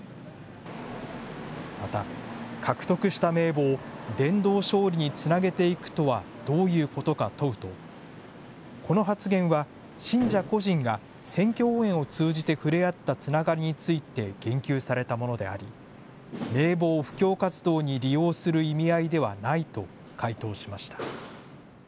また、獲得した名簿を伝道勝利につなげていくとはどういうことか問うと、この発言は、信者個人が選挙応援を通じて触れ合ったつながりについて言及されたものであり、名簿を布教活動に利用する意味合いではないと回答しました。